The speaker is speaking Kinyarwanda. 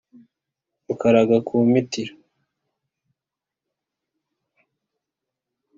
Rukaraga ku mpitira,